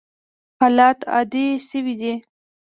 حالات عادي شوي دي.